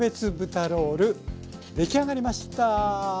出来上がりました。